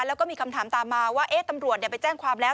แล้วก็มีคำถามตามมาว่าตำรวจไปแจ้งความแล้ว